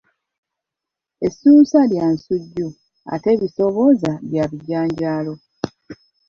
Essunsa lya nsujju ate ebisoobooza bya bijanjaalo.